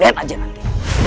lihat aja nanti